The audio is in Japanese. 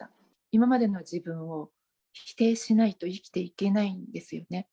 今までの自分を否定しないと生きていけないんですよね。